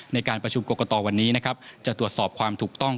ในการประชุมกรกตวันนี้นะครับจะตรวจสอบความถูกต้อง